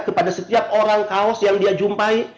kepada setiap orang kaos yang dia jumpai